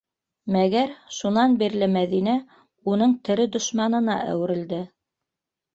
Мәгәр шунан бирле Мәҙинә уның тере дошманына әүерелде.